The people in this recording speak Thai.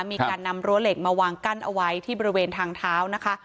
มีการนำรั้วเหล็กมาวางกั้นเอาไว้ที่บริเวณทางเท้านะคะ